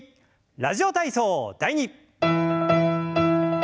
「ラジオ体操第２」。